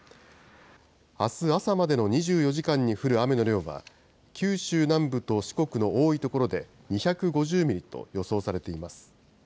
あす朝までの２４時間に降る雨の量は、九州南部と四国の多い所で２５０ミリと予想されています。